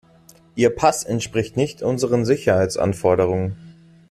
Ihr Pass entspricht nicht unseren Sicherheitsanforderungen.